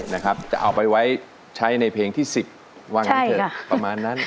นะครับจะเอาไปไว้ใช้ในเพลงที่๑๐ว่างั้นเถอะประมาณนั้น